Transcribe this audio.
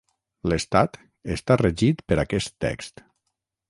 L'estat està regit per aquest text.